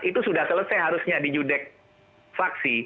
itu sudah selesai harusnya di judek faksi